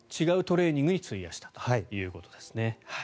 違うトレーニングに費やしたということですね。